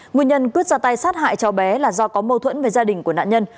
nguyên nhân quyết ra tay sát hại cháu bé là do có mâu thuẫn với gia đình của nạn nhân